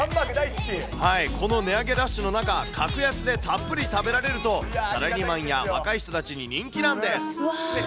この値上げラッシュの中、格安でたっぷり食べられると、サラリーマンや若い人たちに人気うわー。